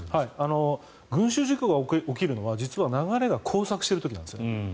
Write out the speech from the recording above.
群衆事故が起きるのは実は流れが交錯している時なんです。